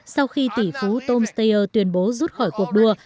sau khi tỷ phú tom steyer tuyên bố rút khỏi cuộc đua